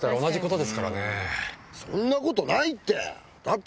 そんなことないって！